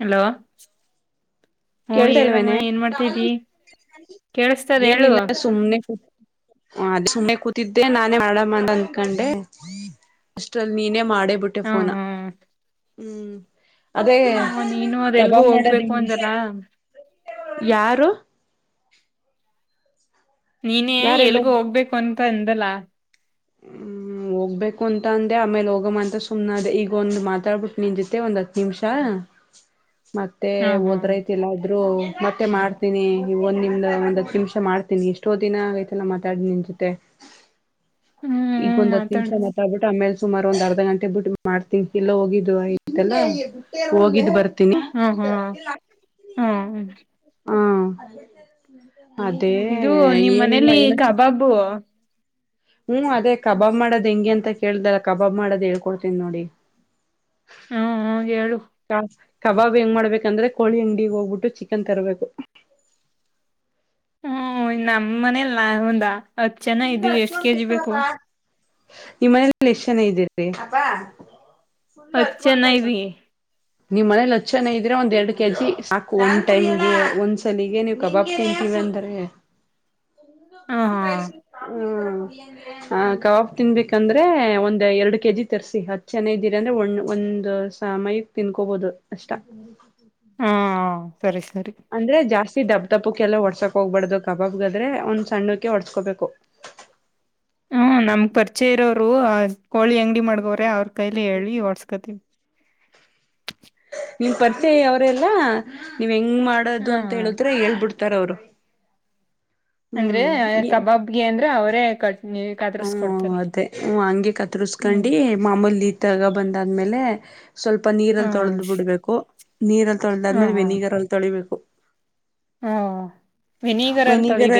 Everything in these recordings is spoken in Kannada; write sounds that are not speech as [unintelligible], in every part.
ಹಲೋ ಹ್ಮ ಹೇಳಮ್ಮ ಕೇಳ್ತಲ್ವೇನೆ ಏನ್ ಮಾಡ್ತಾಿದಿ ಕೇಳಿಸತದ ಹೇಳು ಏನಿಲ್ಲ ಸುಮ್ನೆ ಅ ಸುಮ್ಮನೆ ಕೂತಿದ್ದೆ ನಾನೇ ಮಾಡ ಮಾಡ ಅಂದಕೊಂಡೆ ಅಷ್ಟಲ್ಲಿ ನೀನೇ ಮಾಡ ಹೊಡೆ ಬಿಟ್ಟೆ ಹ ಫೋನಾ ಹ್ಮ ಹ್ಮ ಹ್ಮ ನೀನು ಅದೆ ಎಲ್ಗೂ ಮಾಡೋದ್ ಹೋಗ್ಬೇಕು ಹೆಂಗೆ ಅಂದಲ್ಲ ಯಾರು ನೀನೇ ಯಾರೆಲ್ಲೋ ಎಲ್ಗ ಹೋಗ್ಬೇಕು ಅಂತ ಅಂದಲ್ಲ ಹ್ಮ್ ಹ ಹೋಗ್ಬೇಕು ಅಂತ ಅಂದೆ ಆಮೇಲೆ ಹೋಗಮ್ಮ ಅಂತ ಸುಮ್ನ ಅ ಈಗ ಒಂದು ಮಾತಾಡ್ಬಿಟ್ಟು ನಿನ್ ಜೊತೆ ಒಂದ್ ಹತ್ ನಿಮಿಷಾ ಮತ್ತೆ ಹ ಹಾ ಹೋದ್ರೈತಿಲ್ಲ ಆದ್ರೂ ಮತ್ತೆ ಮಾಡ್ತೀನಿ ಒಂದ ನಿಮ್ದ ಒಂದ್ ಹತ್ತು ನಿಮಿಷ ಮಾಡ್ತೀನಿ ಎಷ್ಟೋ ದಿನ ಆಐತೆಲ್ಲ ಮಾತಾಡ ನಿನ್ ಜೊತೆ ಈಗ ಹ್ಮ್ ಒಂದ್ ಹತ್ತು ಮಾತಾಡ ನಿಮಿಷ ಮಾತ್ತಡ ಬಿಟ್ಟು ಆಮೇಲೆ ಸುಮಾರು ಒಂದ್ ಅರ್ಧ ಗಂಟೆ ಬಿಟ್ಟ ಮಾಡ್ತಂಗ ಎಲ್ಲ ಹೋಗಿದ್ದು ಆಯತಲ್ಲ ಹೋಗಿದ್ದ್ ಬರ್ತ ಹ್ಮ ಹ್ಮ ಹ್ಮ ಹ್ಮ ಅದೇ ಇದು ನಿಮ್ ಏನಿಲ್ಲ ಮನೇಲಿ ಏನ ಕಬಾಬು ಹ್ಮ್ ಅದೇ ಕಬಾಬ್ ಮಾಡೋದ್ ಹೆಂಗೆ ಅಂತ ಕೇಳ್ದಲ್ಲ ಕಬಾಬ್ ಮಾಡೋದ್ ಹೇಳ್ಕೊಡ್ತನ್ ನೋಡ ಈಗ ಹ್ಮ ಹ ಹೇಳು ಕಬಾಬ್ ಹೆಂಗ ಮಾಡ್ಬೇಕಂದ್ರೆ ಕೋಳಿ ಅಂಗಡಿಗೆ ಹೋಗ್ಬಿಟ್ಟು ಚಿಕನ್ ತರಬೇಕು ಹ್ಮ್ ನಮ್ಮ್ ಮನೆಲ್ಲಾ ಹತ್ತು ಜನ ಇದೀವಿ ಎಷ್ಟ್ ಕೆಜಿ ಬೇಕು ನಿಮ್ಮ ಮನೆ ಎಷ್ಟ ಜನ ಇದ್ದೀರಿ ಹತ್ ಜನ [unintelligible] ಇವಿ ನೀವ್ ಮನೇಲಿ ಹತ್ ಜನಾ ಇದ್ರೆ ಒಂದ್ ಎರಡ್ ಕೆಜಿ ಸಾಕ ಒಂದ್ ಟೈಮ್ಗೆ ಒಂದ್ ಸಲಿಗೆ ನೀವು ಕಬಾಬ್ ತಿಂತೀವಿ [unintelligible] ಹ ಹಾ ಹ್ಮ ಆ ಕಬಾಬ ತಿನ್ಬೇಕಂದ್ರೆ ಒಂದ್ ಎರಡು ಕೆಜಿ ತರ್ಸಿ ಹತ್ ಜನಾ ಇದ ಇಂದ್ರೆ ಒ ಒಂದ್ ಸಮಯಕ್ ತಿನ್ಕೋಬಹದು ಅಷ್ಟ ಹಾ ಸರಿ ಸರಿ ಅಂದ್ರೆ ಜಾಸ್ತಿ ದಪ್ಪ ದಪ್ಪಕ್ಕೆ ಎಲ್ಲ ಒಡ್ಸಕ್ ಹೋಗ್ಬಾರಡ್ದು ಕಬಾಬ್ಗಾದ್ರೆ ಒಂದ್ ಸಣ್ಣಕ್ಕೆೆ ಒಡ್ಸ್ಕೊಬೇಕು [unintelligible] ಹ್ಮ ನಮ್ ಪರ್ಚೆ ಇರೋರು ಕೋಳಿ ಅಂಗಡಿ ಮಾಡ್ಗೋರೆ ಅವ್ರ ಕೈಲಿ ಹೇಳಿ ಹೊಟ್ಸ್ಕೊತವಿ [unintelligible] ನೀನ್ ಪರಿಚಯ ಅವ್ರಲ್ಲಾ ನೀವ್ ಹೆಂಗ್ ಹ ಮಾಡೋದು ಅಂತ ಹ ಹೇಳಿದ್ರೆ ಹೇಳ್ಬಿಡ್ತ ಇತಾರ ಅವರು ಅಂದ್ರೆ ಹ್ಮ್ ಕಬಾಬ್ಗೆ ಅಂದ್ರ ಅವರೇ ಕಟ್ ಹ್ಮ್ ಕದರ್ಸ್ಕೊಡ್ತಾರೆ ಅದೇ ಹ ಹಂಗೆ ಹ್ಮ್ ಕತ್ರ್ಸ್ಕೊಂಡಿ ಮಾಮೂಲಿ ತಗ ಬಂದಾದ್ಮೇಲೆ. ಸ್ವಲ್ಪ ನೀರಲ್ಲಿ ಹ್ಮ್ ತೊಳೆದ್ ಬಿಡ್ಬೇಕು ನೀರಲ್ಲಿ ತೊಳೆದಾದ್ಮೇಲೆ ವೆನಿಗರ್ ಅಲ್ಲಿ ತೊಳಿಬೇಕು ಹಾ ವಿನಿಗರ್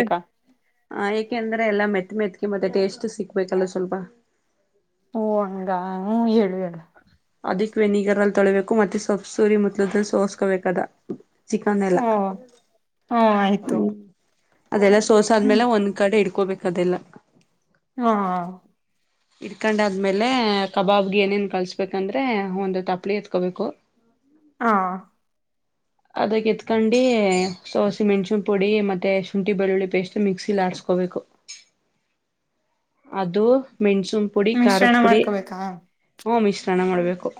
ಹ ಏಕೆಂದ್ರೆ ಎಲ್ಲಾ ಮೆತ್ ಮೆತ್ ಮತ್ತೆ ಟೇಸ್ಟ್ ಸಿಗ್ಬೇಕಲ್ಲ ಸ್ವಲ್ಪ್ ಹಓ ಹಂಗ ಹ ಹೇಳುವ ಹೇಳ ಅದಿಕ್ ವೆನಿಗರ್ ಅಲ್ಲಿ ತೊಳಿಬೇಕು ಮತ್ತೆ ಸೊಪ್ಸೂರಿ ಮುತ್ತಲದಲ್ಲಿ ಸೋಸ್ಕೋಬೇಕದ ಚಿಕನ್ ಎಲ್ಲ ಓ ಹ್ಮ ಆಯ್ತು ಹ್ಮ್ ಅದೆಲ್ಲ ಹ್ಮ್ ಸೋಸಾದ್ಮೇಲೆ ಒಂದ್ ಕಡೆ ಇಡ್ಕೋಬೇಕು ಅದೆಲ್ಲ ಹಾ ಇಡ್ಕಂಡ ಆದ್ಮೇಲೆ ಕಬಾಬ್ಗೆ ಏನೇನ್ ಕಳ್ಸ್ಬೇಕಂದ್ರೆ ಒಂದು ತಪ್ಲಿ ಎತ್ಕೋಬೇಕು ಹಾ [inaudible] ಅದಕ್ಕೆ ಎತ್ಕೊಂಡು ಸೋಸೆ ಮೆಣ್ಸಿಿನ ಪುಡಿ ಮತ್ತುತ್ತ ಶುಂಠಿ ಬೆಳ್ಳುಳ್ಳಿ ಪೇಸ್ಟ್ ಮಿಕ್ಸಿಲಿ ಆಡ್ಸ್ಕೋಬೇಕು [inaudible] ಅದು ಮೆಣಸುನ್ ಪುಡಿ ಖಾರದ ಮಿಶ್ರಣ ಪುಡಿ ಮಾಡ್ಕೋಬೇಕಾ ಹ್ಞೂ ಮಿಶ್ರಣ ಮಾಡಬೇಕು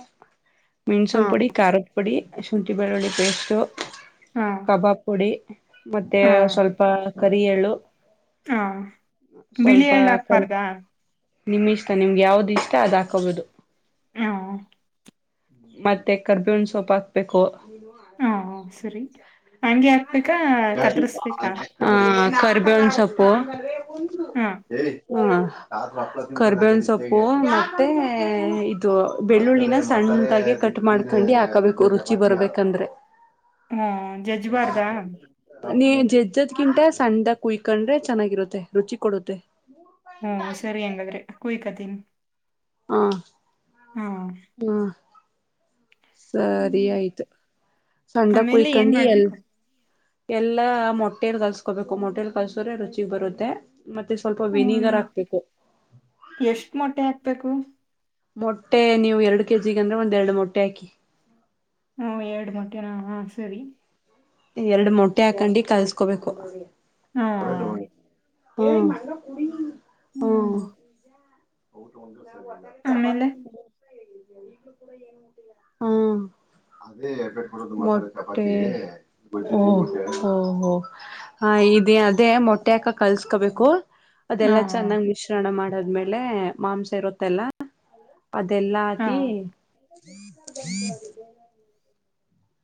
ಮೆಣ್ಸುಂ ಹಾ ಪುಡಿ ಖಾರದ ಪುಡಿ ಶುಂಠಿ ಬೆಳ್ಳುಳ್ಳಿ ಪೇಸ್ಟು ಹಾ ಕಬಾಬ್ ಪುಡಿ ಮತ್ತೆ ಹಾ ಸ್ವಲ್ಪ ಕರಿಯಳು ಹಾ ಬಿಳಿ ಎಳ್ ಕರಿ ಹಕ್ಬಾರ್ದ ನಿಮ್ ಇಷ್ಟ ನಿಮ್ಗೆ ಯಾವ್ದು ಇಷ್ಟ ಅದ್ ಹಾಕೋಬೋುದು ಹ್ಮ ಮತ್ತೆ ಕರ್ಬೇವಣ ಸೊಪ್ ಹಾಕ್ಬೇಕು ಹ ಸರಿ ಹಂಗೆ ಹಾಕ್ಬೇಕಾ ಕತ್ರಿಸ್ಬೇಕಾ ಹಾ ಕರಿ ಬೇವಿನ ಸೊಪ್ಪು ಹ ಹಾ ಕರ್ಬೇವನ್ ಸೊಪ್ಪು ಮತ್ತೆ ಇದು ಬೆಳ್ಳುಳ್ಳಿನ ಸಣ್ಣ ಮುಂಟಾಗೆ ಕಟ್ ಮಾಡ್ಕೊಂಡು ಹಾಕಬೇಕು ರುಚಿ ಬರ್ಬೇಕಂದ್ರೆ ಹ್ಮ ಜಜ್ವಾರ್ದಾ ನೀ ಜಜ್ಜದ್ ಗಿಟ ಸಣ್ಣದಾಗ ಕುಯ್ಕೊಂಡ್ರೆ ಚೆನ್ನಾಗಿರತ್ತೆ ರುಚಿ ಕೊಡುತ್ತೆ ಹ್ಮ ಸರಿ ಹೆಂಗಾದ್ರೆ ಕುಯಕತೀನ್ ಹಾ ಹ್ಮ ಹಾ ಸರಿ ಆಯ್ತು ಸ್ಣ ಆಮೇಲೆ ಏನ್ ಕುಯ್ಕೊಂಡಿ ಎಲ್ ಮಾಡ್ಬೇಕು ಎಲ್ಲಾ ಮೊಟ್ಟೇಲ್ ಕಲ್ಸ್ಕೋಬೇಕು ಮೊಟ್ಟೇಲ್ ಕಲ್ಸ್ರೆ ರುಚಿ ಬರುತ್ತೆ ಮತ್ತೆ ಸ್ವಲ್ಪ ಹ್ಮ್, ವೆನಿಗರ್ ಹಾಕ್ಬೇಕು ಬು [unintelligible] ಮೊಟ್ಟೆ ನೀವು ಎರಡು ಕೆಜಿಗ ಅಂದ್ರೆ ಒಂದ್ ಎರಡು ಮೊಟ್ಟೆ ಹಾಕಿ ಹ್ಮ ಎರಡು ಮಖೆನಾ ಹಾ ಸರಿ ಎರಡು ಮೊಟ್ಟೆ ಹಾಕೊಂಡು ಕಲ್ಸ್ಕೋಬೇಕು ಹಾ ಹ್ಮ ಹ್ಮ ಹ್ಮ್ ಆಮೇಲೆ [unintelligible] ಹ್ಮ ಮೊಟ್ಟೆ ಓ ಓಹೋ ಹ ಇ ಅದೇ ಮೊಟ್ಟೆೆಯಕ ಕಲ್ಸ್ಕೋಬೇಕು ಹಾ ಅದೆಲ್ಲಾ ಚೆನ್ನಾಗ್ ಮಿಶ್ರಣ ಮಾಡದ್ಮೇಲೆ ಮಾಂಸ ಇರುತ್ತೆಲ್ಲ ಅದೆಲ್ಲಾ ಹಾ ಹಕಿ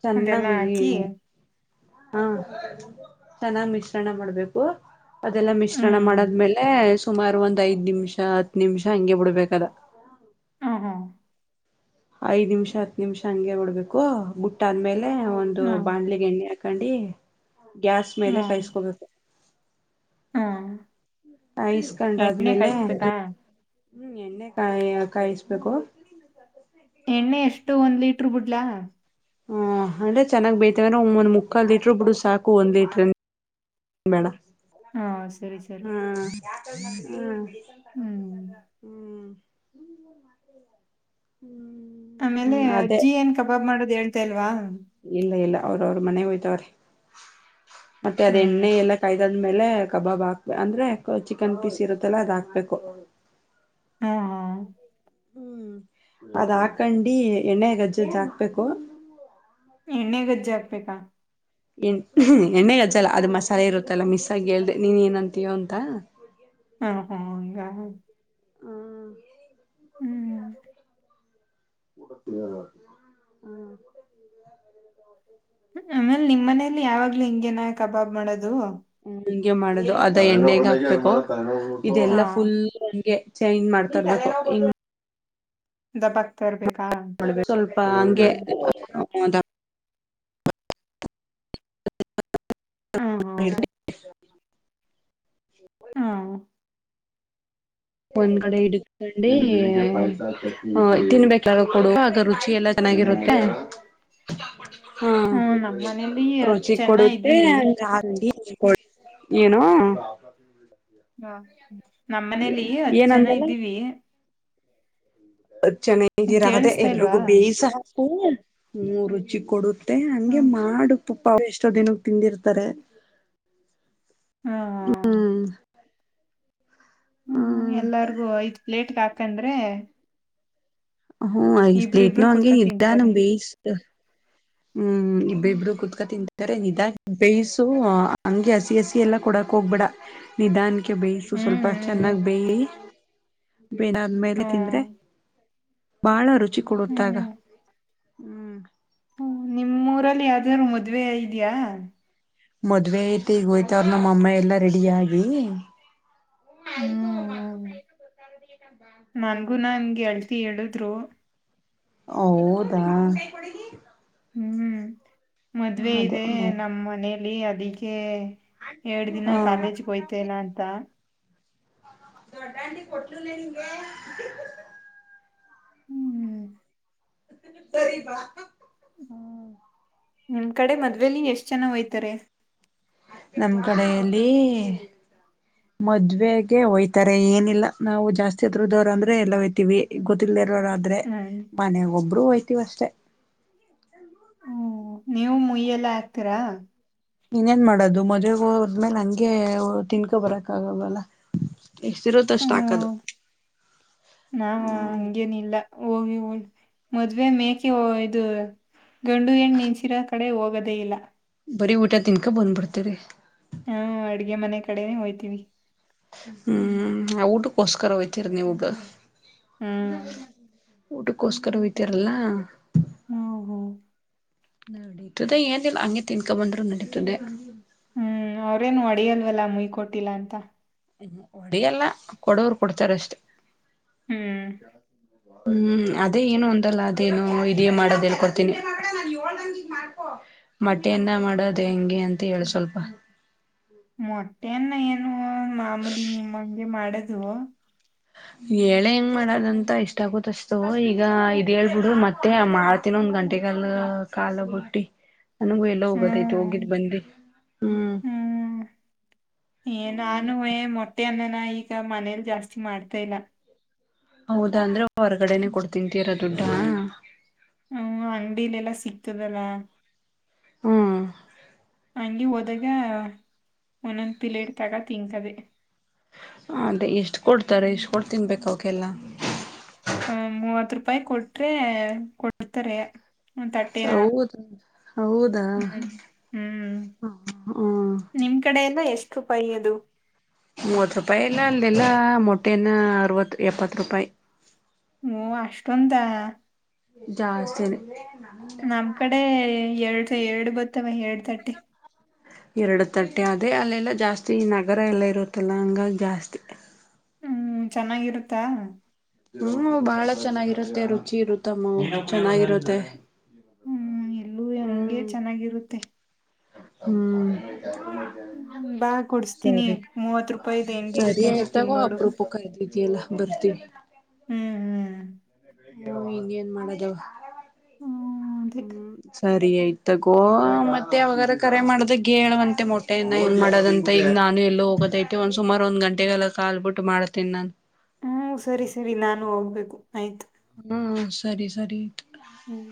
ಚೆನ್ನ ಅದೆಲ್ಲ ಮ ಹಾಕಿ ಹಾ ಚನ್ನಾಗ್ ಮಿಶ್ರಣ ಮಾಡ್ಬೇಕು ಅದೆಲ್ಲ ಮಿಶ್ರಣ ಹ್ಮ್ ಮಾಡದ್ಮೇಲೆ ಸುಮಾರು ಒಂದ್ ಐದ್ ನಿಮಿಷ ಹತ್ ನಿಮಿಷ ಹಂಗೆ ಬಿಡ್ಬೇಕದ ಹಾ ಹಾ ಐದ್ ನಿಮಿಷ ಹತ್ ನಿಮಿಷ ಹಂಗೆ ಬಿಡ್ಬೇಕು ಬುಟ್ಟ ಆದ್ಮೇಲೆ ಒಂದು ಹಾ ಬಾಣ್ಲೆಗೆ ಎಣ್ಣೆ ಹಕಂಡಿ ಗ್ಯಾಸ್ ಮೇಲೆ ಹಾ ಕೈಸ್ಕೋಬೇಕು ಹಾ ಹ ಇಸ್ಕಂಡ ಎಣ್ಣೆ ಆದ್ಮೇಲೆ ಕಾಯಿಸ್ಬೇಕಾ ಹ್ಮ್ ಎಣ್ಣೆ ಕಾಯಿ ಕಾಯಿಸಬೇಕು ಎಣ್ಣೆ ಎಷ್ಟು ಒಂದ್ ಲೀಟರ್ ಬಿಡ್ಲಾ ಹ ಅಂದ್ರೆ ಚೆನ್ನಾಗ್ ಬೈತವೆ್ರ ಒ ಒಂದ್ ಮುಕ್ಕಾ ಲೀಟ್ರ ಬಿಡು ಸಾಕು ಒಂದ್ ಲೀಟ್ರ ಬೇಡ ಹಾ ಸರಿ ಸರಿ ಹ್ಮ್ ಹ್ಮ್ ಹ್ಮ್ ಹ್ಮ್ ಹ್ಮ್ಮ ಆಮೇಲೆ ಅಜ್ಜಿ ಏನ್ ಕಬಾಬ್ ಮಾಡೋದು ಹೇಳ್ತಾ ಇಲ್ವಾ ಇಲ್ಲ ಇಲ್ಲ ಅವ್ರ ಅವ್ರ ಮನೆ ಹೋಯ್ತವ್ರ ಮತ್ತೆ ಅದ ಹ್ಮ್ ಎಣ್ಣೆ ಎಲ್ಲ ಕಾಯ್ದ ಆಮೇಲೆ ಕಬಾಬ್ ಹಾಕ್ಬೇಕ ಅಂದ್ರೆ ಚಿಕನ್ ಪೀಸ್ ಇರುತ್ತಲ್ಲ ಅದ್ ಹಾಕ್ಬೇಕು ಹ್ಮ ಹಾ ಹ್ಮ್ ಅದ್ ಹಾಕಂಡಿ ಎಣ್ಣೆ ಗಜ್ಜಜ್ದ್ ಹಾಕ್ಬೇಕು ಎಣ್ಣೆ ಗಜ್ಜೆ ಹಾಕ್ಬೇಕಾ ಎ ಎಣ್ಣೆೆಗೆ ಅಜ್ಜಲ್ಲ ಅದ್ ಮಸಾಲೆ ಇರುತ್ತಲ್ಲಾ ಮಿಸ್ಗಿ ಹೇಳ್ದೆ ನೀನ್ ಏನಂತೀಯೋ ಅಂತ ಹಂಗ ಹಾ ಹಾ ಹ್ಮ್ ಹ್ಮ್ ಹ ಹ ಆಮೇಲೆ ನಿಮ್ ಮನೇಲಿ ಯಾವಾಗ್ಲ ಹಿಂಗೆೇನ ಕಬಾಬ್ ಮಾಡೋದು ಹ್ಮ ಹಿಂಗೆ ಮಾಡುದು ಅದ ಎಣ್ಣಗ ಹಾಕ್ಬೇಕು ಹಾ ಇದೆಲ್ಲಾ ಫುಲ್ ಹಂಗೆ ಚೇಂಜ್ ಮಾಡ್ತಬೇಕು ಹ ದಬಕ್ತಾ ಇರ್ಬೇಕು ಸ್ವಲ್ಪ ಹಂಗೆದ ಹ್ಮ್ ಹ್ಮ್ [unintelligible] ಹ್ಮ್ ಒಂದ್ ಕಡೆ ಹಿಡ್ಕಂಡು ತಿನ್ಬೇಕ ಕೊಡ ಆ ರುಚಿ ಎಲ್ಲ ಚೆನ್ನಾಗಿರುತ್ತೆ ಹಾ ಹ್ಮ್ ನಮ್ ಮನೇಲಿ ಹತ್ ರುಚಿ ಜನ ಕೊಡುತ್ತೆ ಇದ್ದೀವಿ ಹಂಗ ಆಗಿ ಏನು ಹಾ ನಮ್ಮ ಮನೇಲಿ ಹತ್ ಜನ ಏನಂದಲ್ಲ ಇದ್ದೀವಿ ಚೆನ್ನಾಗಿರಗದೆ ಕೇಳಿಸ್ತಾ ಇಲ್ವಾ ಎಲ್ರಿಗೂ ಬೇಯ್ಸ ಹಾಕು ಹ ರುಚಿ ಕೊಡ ಮತ್ತೆ ಹಂಗೆ ಹ್ಮ್ ಮಾಡುಕ್ ಪಪ್ಪ ಎಷ್ಟೋ ದಿನಕ್ಕೆ ತಿಂದಿರ್ತಾರೆ ಹಾ ಹ್ಮ್ ಹ್ಮ್ ಎಲ್ಲಾರ್ಗು ಐದ್ ಪ್ಲೇಟ್ಗೆ ಹಾಕಂಡ್ರೆ ಹ್ಮ್ ಐ ಇಬ್ರು ಇಬ್ರು ಸ್ಲೀಟ್ನು ಕುೂತ್ಕ ಹಂಗಗೆ ಇದಿದ್ದಾನ ತಿಂತಾರೆ ಬೇಸ ಹ್ಮ್ ಇಬ್ಬ ಇಬ್ರು ಕುೂತ್ಕಾ ತಿಂತ ಅರೆ ನಿಧ ಬೇಯ್ಸು ಹಂಗೆ ಹಸಿ ಹಸಿ ಎಲ್ಲಾ ಕೊಡಕ್ ಹೋಗ್ಬೇಡ ನಿಧನ್ ಬೇಯಿಸು ಹ್ಮ್ ಸ್ವಲ್ಪ ಹ್ಮ್ ಚೆನ್ನಾಗ್ ಬೇಯಿ ಬೇಾದ್ಮೇಲೆ ತಿಂದ್ರೆ ಹ್ಮ್ ಬಾಳ ರುಚಿ ಕೊಡುತ್ತಾಗ ಹ್ಮ್ ಹ್ಮ್ ನಿಮ್ಮ್ಊರಲ್ಲಿ ಯಾವ್ದಾದ್ರು ಮದ್ವೆ ಇದ್ಯಾಾ ಮದ್ವೆ ಐತಿ ಈಗ ಹೋಯ್ತವ್ರ ನಮ್ಮ ಅಮ್ಮ ಎಲ್ಲಾ ರೆಡಿ ಆಗಿ ಹ್ಮ ಆಯ್ತು ಹ್ಮ್ ಹ್ಮ್ ಹಾ ಹೇಳಳಿದ್ರು ಹೌದಾ ಹ್ಮ್ ಮದ್ವೆ ಅದೇ ಇದೆ ನಮ್ಮ ಮನೇಲಿ ಅದಕ್ಕೆ. ಎಏಡ್ ದಿನ ಹಾ ಕಾಲೇಜ್ಗೆ ಹಯ್ತೇನ ಅಂತ. ದೊಡ್ಡ ಆಂಟಿ ಕೊಟ್ಟಲನೆ ನಿಂಗೆ ಹ್ಮ್ ಸರಿಪಾ ಹ್ಮ ನಿಮ್ ಕಡೆ ಮದ್ವೆೇಲಿ ಎಷ್ಟ್ ಜನ ಹೋಯ್ತಾರೆ. ನಮ್ ಕಡೆಯಲ್ಲಿ. ಮದ್ವೆೆಗೆ ಹಯ್ತಾರೆ ಏನಿಲ್ಲ ನಾವು ಜಾಸ್ತಿ ಹತ್ರದವರು ಅಂದ್ರೆ ಎಲ್ಲ ಹಯ್ತತಿೀವಿ ಗೊತ್ತಿಲ್ಲ. ಇ ಆದ್ರೆ ಹ್ಮ್ ಮನೆ ಒಬ್ಬರುೂ ಹಯ್ತೀವ ಅಷ್ಟೆ. ಹ್ಮ್ ನೀವು ಮುಯ್ಯೆಲ್ಲ ಆಗ್ತೀರಾ. ಇನ್ನೇನ್ ಮಾಡೋದು ಮದ್ವೆ ಹೋದ್ಮೇಲೆ ಹಂಗೆ ತಿನ್ಕೊ ಬರಕ್ ಆಗಲವಲ್ಲ ಹ್ಮ ನಾನ ಹಂಗೇನಿಲ್ಲ ಹೋಗೀ ಹೋಗಿ ಮದ್ವೆ ಮೇಕೆ ಇದು ಗಂಡು ಹೆಣ್ಣು ನಿಸಿರೋ ಕಡೆ ಹೋಗೋದೇ ಇಲ್ಲ. ಬರೀ ಊಟ ತಿನ್ಕೊಂಡ ಬಂದ್ಬಿಡ್ತರಿ. ಹಾ ಅಡ್ಗೆ ಮನೆ ಕಡೆನೆ ಹೋಯ್ತೀವಿ. ಹ್ಮ್ ಆ ಊಟಕ್ಕೋಸ್ಕರ ಹೊತ್ತಿರಿ ನೀವು ಹ್ಮ್ ಊಟಕ್ಕೋಸ್ಕರ ಹೊತ್ತಿರಲ್ಲ ಹ್ಮ ಹೋ ನಡೀತದೆ ಏನಲ್ಲ ಹಂಗೆ ತಿನ್ಕೊ ಬಂದ್ರು ನಡೀತದೆ ಹ್ಮ್ ಅವ್ರೇನು ಹೋಡಿಯಲ್ವಲ್ಲ ಮುಯ್ಕ ಕೊಟ್ಟಿಲ್ಲಾ ಅಂತ. ಹ್ಮ ಹೊಡೇಯಲ್ಲ ಕೊಡವರು ಕೊಡ್ತಾರಷ್ಟೇ. ಹ್ಮ್ ಹ್ಮ್ ಅದೇ ಏನು ಒಂದಲ್ಲ ಅದೇನು ಇದೇ ಮಾಡೋದ ಹೇಳ್ಕೊಡ್ತೀನಿ. ಮೊಟ್ಟೆಅನ್ನ ಮಾಡೋದು ಹೆಂಗೆ ಅಂತ ಹೇಳು ಸ್ವಲ್ಪ ಮೊಟ್ಟೆನ್ನ ಏನು ಮಾಮೂಲಿ ನಿಮ್ಮಂಗೆ ಮಾಡದು ಹೇಳೆ ಹೆಂಗ್ ಮಾಡದಂತ ಇಷ್ಟ ಆಕತ್ಷ್ಟತು ಈಗ ಇದ್ ಹೇಳ್ಬಿಡು ಮತ್ತೆ ಮಾಡ್ತನಂ ಗಂಟಿ ಕಲ್ ಕಾಲ ಬೂಟ್ಟಿ ನನಗೂ ಎಲ್ಲ ಹೋಗದೈತ ಹ್ಮ್ ಹೋಗಿದ್ ಬಂದಿ ಹ್ಮ್ ಹ್ಮ್ ಏ ನಾನು ಮೊಟ್ಟೆ ಅನ್ನನ ಈಗ ಮನೇಲ್ ಜಾಸ್ತಿ ಮಾಡ್ತಾ ಇಲ್ಲ. ಹೌದಾ ಅಂದ್ರೆ ಹೊರ್ಗಡೆನೆೇ ಕೊಡ್ತಿಂತೀರ ದುಡ್ಡಾ ಹ್ಮ ಅಂಗಡಿಲಿ ಎಲ್ಲಾ ಸಿಗ್ತದಲ್ಲ. ಹ್ಮ ಹಂಗೆ ಹೋದಾಗ ಒಂದೊಂದ್ ಪಿಲೇಡ್ ತಗ ತಿಂತವೇ ಹ ಅದೇ ಎಷ್ಟ್ ಕೊಡ್ತಾರೆ ಎಷ್ಟ್ ಕೊಡ್ ತಿನ್ಬೇಕ ಅವಕೆಲ್ಲ ಹ ಮೂವತ್ ರೂಪಾಯಿ ಕೊಟ್ರೆ ಕೊಡ್ತಾರೆ. ಒಂದ್ ತಟ್ಟೆನ ಹೌದಾ ಹೌದಾ ಹ್ಮ್ ಹ್ಮ ನಿನ್ ಕಡೆ ಎಲ್ಲ ಎಷ್ಟು ರೂಪಾಯಿ ಅದು ಮೂವತ್ ರೂಪಾಯಿ ಎಲ್ಲ ಅಲ್ಲದೆಲ್ಲ ಮೊಟ್ಟೆನ ಅರವತ್ತು ಎಪ್ಪತ್ತು ರೂಪಾಯಿ ಓ ಅಷ್ಟೊಂದ ಜಾಸ್ತಿನೇ ನಮ್ ಕಡೆ ಎರಡು ಎರಡು ಬರ್ತವೆ ಎರಡ್ ತಟ್ಟೆ ಎರಡು ತಟ್ಟೆ ಅದೇ ಅಲ್ಲೆಲ್ಲ ಜಾಸ್ತಿ ಈ ನಗರ ಎಲ್ಲ ಇರುತ್ತಲ್ಲ ಹಂಗಾಗಿ ಜಾಸ್ತಿ ಹ್ಮ್ ಚೆನ್ನಾಗಿರುತ್ತಾ ಹ್ಮ್ ಬಹಳ ಚೆನ್ನಾಗಿರುತ್ತೆ ರುಚಿ ಇರುತ್ತಮ್ಮ ಚೆನ್ನಾಗಿರುತ್ತೆ ಹ್ಮ್ ಇಲ್ಲೂ ಹಂಗೆ ಹ್ಮ್ ಚೆನ್ನಾಗಿರುತ್ತೆ ಹ್ಮ್ ಹ್ಮ್, ಬಾ ಕೊಡ್ಸ್ತೀನಿ ಸರಿ ಮೂವತ್ ರೂಪಾಯಿದ ಸರಿ ಹೆಂಗಿರುತ್ತೆ ಅಂತ ಆಯ್ತಾಗೋ ತಿನ್ನೋಡು ಅಪ್ರೂಪ ಕ ಇದ ಇದೆಯಲ್ಲ ಬರ್ತೀವಿ ಹ್ಮ್ ಹ್ಮ್ ಹ್ಮ ಇನ್ ಏನ್ ಮಾಡೋದು ಹ್ಮ್ ಅದೇ ಹ್ಮ್ ಸರಿ ಆಯ್ತಗೋ ಮತ್ತೆ ಯಾವಾಗಾರ ಕರೆ ಮಾಡೋದ ಗೇ ಹೇಳುವಂತೆ ಮೊಟ್ಟೆ ಇಂದ ಏನ್ ಮಾಡದಂತ ಈ ನಾನು ಎಲ್ಲೋ ಹೋಗೋದೈಐತೆ ಒಂದ್ ಸುಾರ ಒಂದ್ಂಟೆಗೆಲ್ಲ ಕಾಲ್ಬ ಬಿಟ್ಟು ಮಾಡ್ತೇಿ ನಾನನ್ ಹ್ಮ್ ಸರಿ ಸರಿ ನಾನು ಹೋಗ್ಬೇಕು ಆಯ್ತು ಹ್ಮ್ ಸರಿ ಸರಿ ಹ್ಮ್